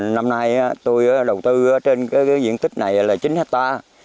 năm nay tôi đầu tư trên diện tích này là chín hectare